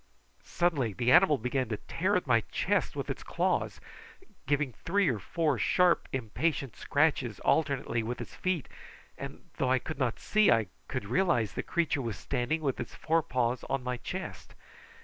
Suddenly the animal began to tear at my chest with its claws, giving three or four sharp impatient scratchings alternately with its feet, and though I could not see, I could realise that the creature was standing with its forepaws on my chest.